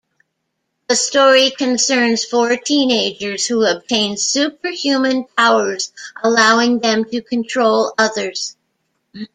The story concerns four teenagers who obtain superhuman powers allowing them to control others.